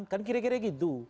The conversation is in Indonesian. kan kira kira gitu